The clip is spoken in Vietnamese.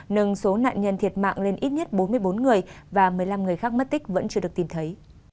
nâng số nạn nhân thiệt mạng lên ít nhất bốn mươi bốn người và một mươi năm người khác mất tích vẫn chưa được tìm thấy